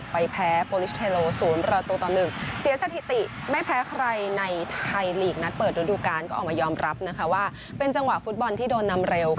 เพราะฉะนั้นก็ออกมายอมรับว่าเป็นจังหวะฟุตบอลที่โดนนำเร็ว